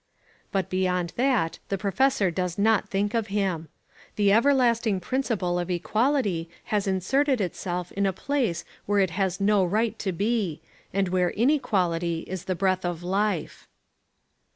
But beyond that the professor does not think of him. The everlasting principle of equality has inserted itself in a place where it has no right to be, and where inequality is the breath of life.